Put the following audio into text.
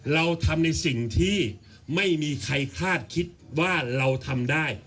เราทำในสิ่งที่ไม่มีใครคาดคิดว่าเราทำได้